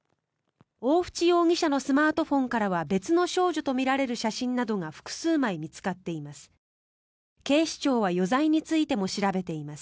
大淵容疑者のスマートフォンからは別の少女とみられる写真が複数枚見つかっています。